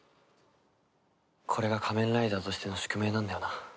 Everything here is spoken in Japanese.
これが仮面ライダーとしての宿命なんだよな。